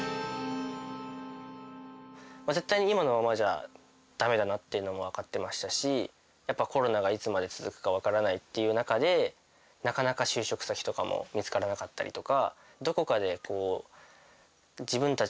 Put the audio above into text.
絶対に今のままじゃ駄目だなっていうのも分かってましたしやっぱコロナがいつまで続くか分からないっていう中でなかなか就職先とかも見つからなかったりとか。